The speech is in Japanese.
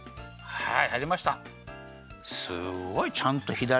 はい！